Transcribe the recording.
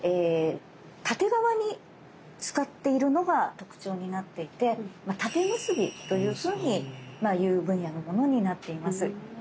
縦側に使っているのが特徴になっていて「縦結び」というふうにいう分野のものになっています。